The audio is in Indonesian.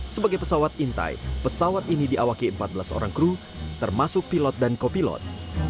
sebagai pesawat intai pesawat ini diawaki empat belas orang kru termasuk pilot dan kopilot